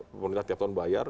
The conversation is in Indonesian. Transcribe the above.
pemerintah tiap tahun bayar